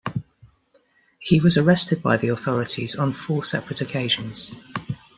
He was arrested by the authorities on four separate occasions.